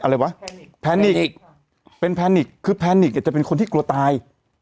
อะไรวะแพนิกเป็นแพนิกคือแพนิกเนี่ยจะเป็นคนที่กลัวตาย